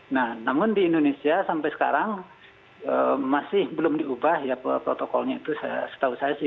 nah namun di indonesia sampai sekarang masih belum diubah ya protokolnya itu setahu saya sih